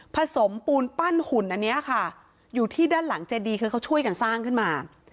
สมปูนปั้นหุ่นอันนี้ค่ะอยู่ที่ด้านหลังเจดีคือเขาช่วยกันสร้างขึ้นมา